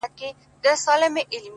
د ښكلي سولي يوه غوښتنه وكړو”